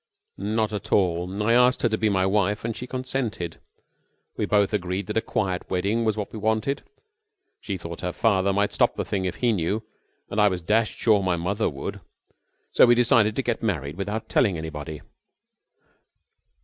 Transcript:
"Not at all. I asked her to be my wife, and she consented. We both agreed that a quiet wedding was what we wanted she thought her father might stop the thing if he knew, and I was dashed sure my mother would so we decided to get married without telling anybody.